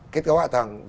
kết cấu hạ tầng